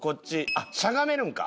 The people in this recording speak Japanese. あっしゃがめるんか。